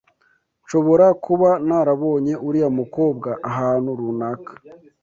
Nshobora kuba narabonye uriya mukobwa ahantu runaka.